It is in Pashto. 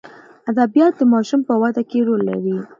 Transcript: ادبیات د ماشوم په وده کې رول لري.